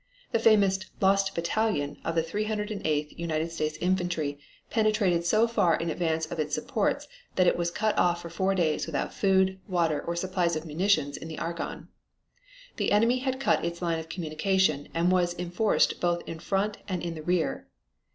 The famous "Lost Battalion" of the 308th United States Infantry penetrated so far in advance of its supports that it was cut off for four days without food, water or supplies of munitions in the Argonne. The enemy had cut its line of communication and was enforced both in front and in the rear.